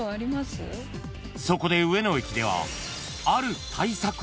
［そこで上野駅では］